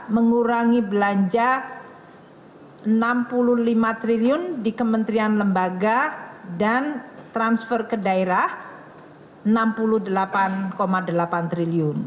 mengurangi belanja rp enam puluh lima triliun di kementerian lembaga dan transfer ke daerah rp enam puluh delapan delapan triliun